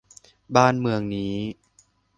บ้านเมืองนี้